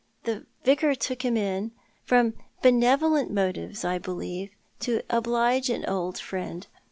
The Vicar took him — from benevolent motives, I believe — to oblige an old friend.